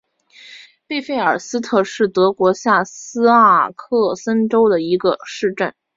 贝费尔斯特是德国下萨克森州的一个市镇。